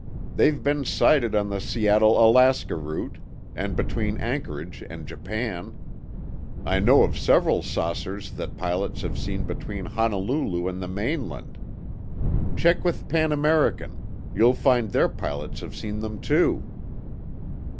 They've been sighted on the Seattle Alaska route, and between Anchorage and Japan. I know of several saucers that pilots have seen between Honolulu and the mainland. Check with Pan American—you'll find their pilots have seen them, too."